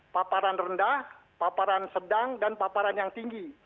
paparan rendah paparan sedang dan paparan yang tinggi